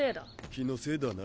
気のせいだな。